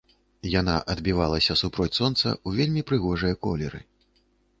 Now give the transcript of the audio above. Яна адбівалася супроць сонца ў вельмі прыгожыя колеры.